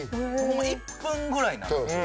１分ぐらいなんですよ。